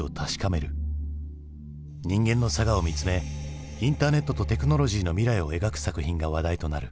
人間の性を見つめインターネットとテクノロジーの未来を描く作品が話題となる。